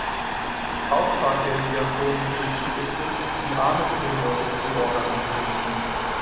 Auftrag der Diakone schließlich ist es, die Armenfürsorge zu organisieren.